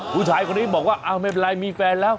ผู้ชายคนนี้บอกว่าอ้าวไม่เป็นไรมีแฟนแล้ว